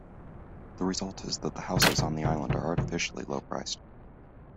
The result is that the houses on the island are artificially low priced.